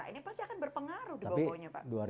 ini pasti akan berpengaruh di bumn nya pak